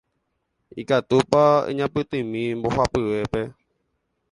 Ikatúpa eñapytĩmi mbohapyvépe.